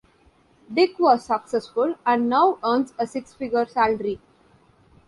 Dick was successful and now earns a six-figure salary.